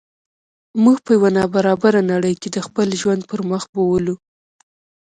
موږ په یوه نا برابره نړۍ کې د خپل ژوند پرمخ بوولو.